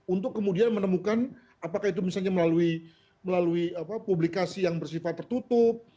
untuk kemudian menemukan apakah itu misalnya melalui publikasi yang bersifat tertutup